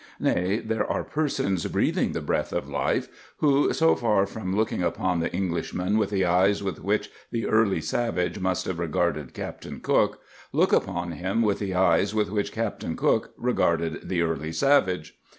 Nay, there be persons breathing the breath of life who, so far from looking upon the Englishman with the eyes with which the early savage must have regarded Captain Cook, look upon him with the eyes with which Captain Cook regarded the early savage.